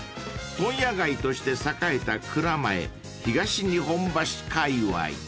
［問屋街として栄えた蔵前東日本橋かいわい］